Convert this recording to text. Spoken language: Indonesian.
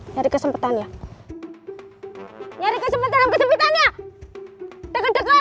nyari kesempatan ya nyari kesempatan kesempatan ya deket deket